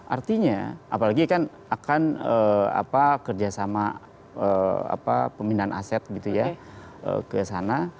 artinya apalagi kan akan kerjasama pemindahan aset gitu ya ke sana